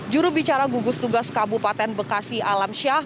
juru bicara gugus tugas kabupaten bekasi alam syah